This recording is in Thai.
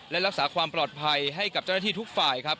และรักษาความปลอดภัยให้กับเจ้าหน้าที่ทุกฝ่ายครับ